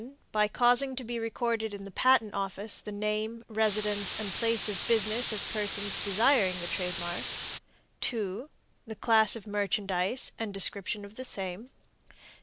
By causing to be recorded in the Patent Office the name, residence and place of business of persons desiring the trademark. 2. The class of merchandise and description of the same.